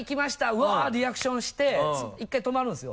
うわぁリアクションして１回止まるんですよ。